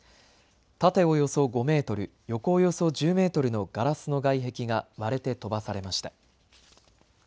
縦およそ５メートル横およそ１０メートルのガラスの外壁が割れて飛ばされました。